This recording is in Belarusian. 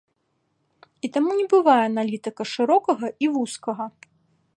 І таму не бывае аналітыка шырокага і вузкага.